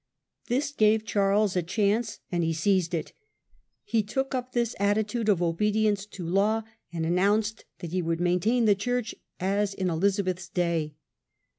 This gave Charles a chance, and he seized it. He took up this attitude of obedience to law and announced that he would maintain the Church as in Elizabeth^s day.